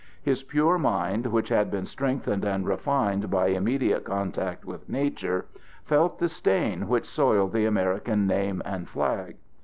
His pure mind, which had been strengthened and refined by immediate contact with nature, felt the stain which soiled the American name and flag.